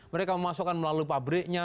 mereka memasokkan melalui pabriknya